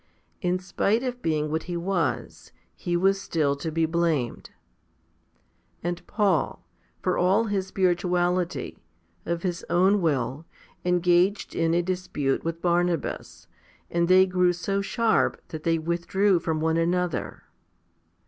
In spite of being what he was, he was still to be blamed. And Paul, for all his spirituality, of his own will, engaged in a dispute with Barnabas, and they grew so sharp that they withdrew from one another.